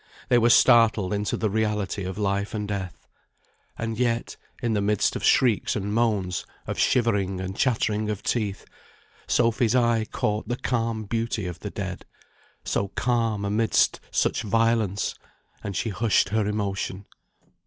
They were startled into the reality of life and death. And yet, in the midst of shrieks and moans, of shivering, and chattering of teeth, Sophy's eye caught the calm beauty of the dead; so calm amidst such violence, and she hushed her emotion.